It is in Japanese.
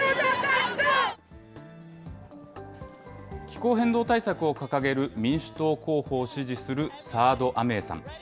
気候変動対策を掲げる民主党候補を支持するサード・アメーさん